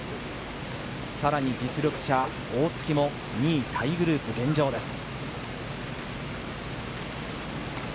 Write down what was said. さらに実力者・大槻も２位タイグループ、現状です。